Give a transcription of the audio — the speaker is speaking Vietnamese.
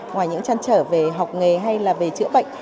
ngoài những trăn trở về học nghề hay là về chữa bệnh